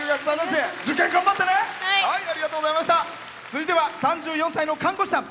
続いては３４歳の看護師さん。